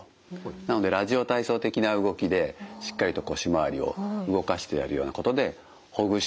なので「ラジオ体操」的な動きでしっかりと腰回りを動かしてやるようなことでほぐしてあげる。